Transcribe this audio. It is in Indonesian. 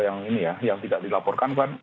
yang ini ya yang tidak dilaporkan kan